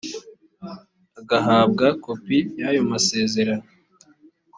agahabwa kopi y ayo masezerano